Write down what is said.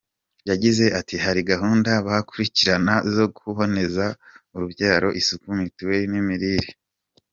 Yagize ati “Hari gahunda bakurikirana zo kuboneza urubyaro, isuku, mitiweli n’imirire.